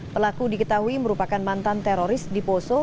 pelaku diketahui merupakan mantan teroris di poso